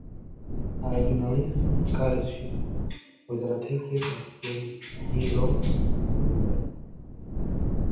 Her journalism cadetship was undertaken at the "Geelong Advertiser".